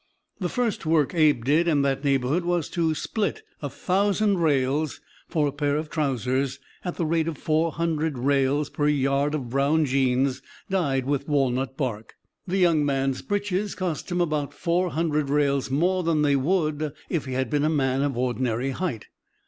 The first work Abe did in that neighborhood was to split a thousand rails for a pair of trousers, at the rate of four hundred rails per yard of "brown jeans dyed with walnut bark." The young man's breeches cost him about four hundred rails more than they would if he had been a man of ordinary height.